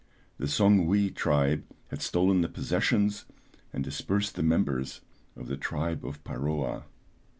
The Songhui tribe had stolen the possessions, and dispersed the members of the tribe of Paroa.